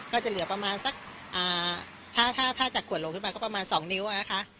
ก็จะเหลือประมาณสักถ้าถ้าจากขวดลงขึ้นมาก็ประมาณ๒นิ้วนะคะ